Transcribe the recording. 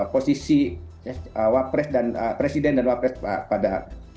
posisi presiden dan wapres pada dua ribu dua puluh empat